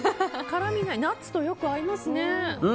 ナッツとよく合いますね。